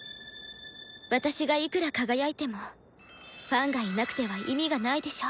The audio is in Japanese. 私がいくら輝いても国民がいなくては意味がないでしょ？